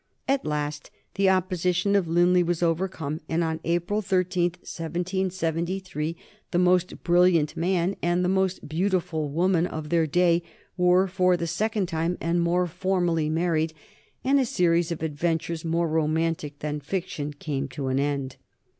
At last the opposition of Linley was overcome, and on April 13, 1773, the most brilliant man and most beautiful woman of their day were for the second time and more formally married, and a series of adventures more romantic than fiction came to an end.